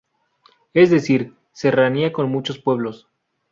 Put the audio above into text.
Es decir "serranía con muchos pueblos".